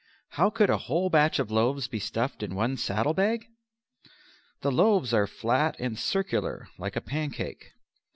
How could a whole batch of loaves be stuffed in one saddle bag? The loaves are flat and circular like a pancake.